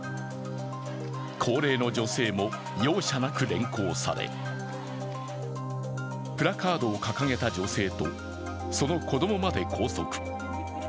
高齢の女性も容赦なく連行され、プラカードを掲げた女性と、その子供まで拘束。